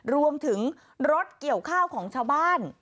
รวมถึงรถเกี่ยวข้าวของชาวบ้าน